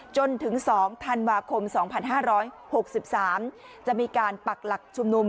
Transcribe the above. จนถึง๒ธันวาคม๒๕๖๓จะมีการปักหลักชุมนุม